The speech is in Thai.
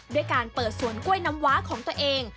ด้วยการเปิดสวนกล้วยน้ำว้าของตัวเอง